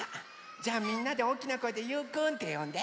じゃあみんなでおおきなこえで「ゆうくん」ってよんで。